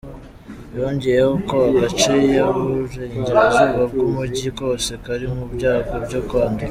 Yongeyeho ko agace k’Uburengerazuba bw’umujyi kose kari mu byago byo kwandura.